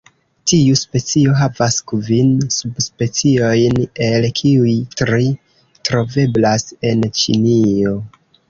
Tiu specio havas kvin subspeciojn, el kiuj tri troveblas en Ĉinio.